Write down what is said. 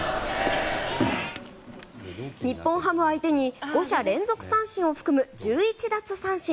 日本ハム相手に５者連続三振を含む１１奪三振。